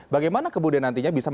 bagaimana kemudian nantinya bisa